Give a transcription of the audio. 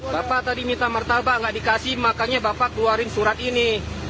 bapak tadi minta martabak nggak dikasih makanya bapak keluarin surat ini